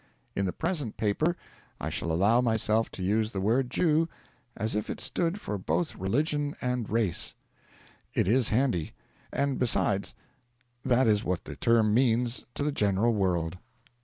In the present paper I shall allow myself to use the word Jew as if it stood for both religion and race. It is handy; and, besides, that is what the term means to the general world.